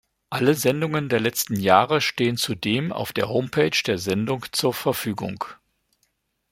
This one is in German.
Alle Sendungen der letzten Jahre stehen zudem auf der Homepage der Sendung zur Verfügung.